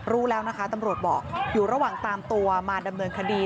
รู้แล้วนะคะตำรวจบอกอยู่ระหว่างตามตัวมาดำเนินคดี